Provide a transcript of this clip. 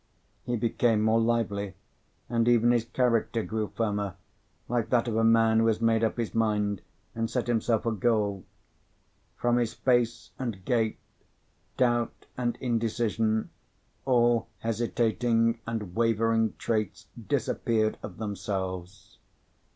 He became more lively, and even his character grew firmer, like that of a man who has made up his mind, and set himself a goal. From his face and gait, doubt and indecision, all hesitating and wavering traits disappeared of themselves.